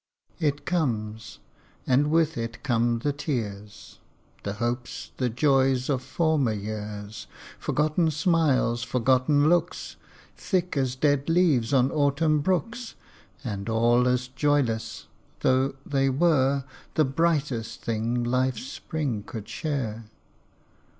It comes and with it come the tears, The hopes, the joys of former years ; Forgotten smiles, forgotten looks, Thick as dead leaves on autumn brooks, And all as joyless, though they were The brightest things life's spring could share.